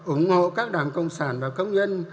ủng hộ các đảng công sản và công nhân